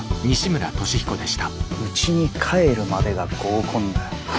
うちに帰るまでが合コン。